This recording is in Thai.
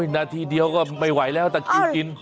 นาทีเดียวก็ไม่ไหวแล้วตะคิวกิน